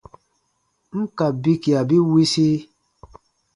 N ka bikia bi wisi,